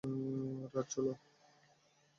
রাজ, চলো।